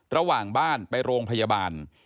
ระหว่างบ้านไปโรงพยาบาล